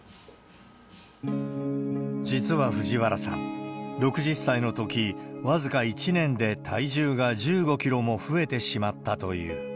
実は藤原さん、６０歳のとき、僅か１年で体重が１５キロも増えてしまったという。